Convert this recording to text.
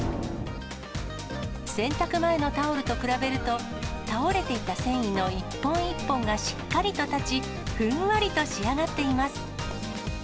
洗濯前のタオルと比べると、倒れていた繊維の一本一本がしっかりと立ち、ふんわりと仕上がっています。